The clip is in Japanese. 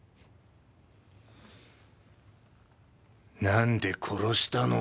何で殺したの？